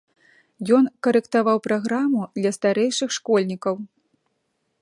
Ён карэктаваў праграму для старэйшых школьнікаў.